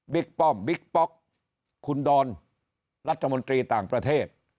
ป้อมบิ๊กป๊อกคุณดอนรัฐมนตรีต่างประเทศ